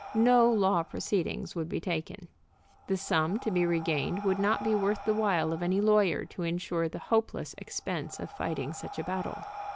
No law proceedings would be taken. The sum to be regained would not be worth the while of any lawyer to insure the hopeless expense of fighting such a battle.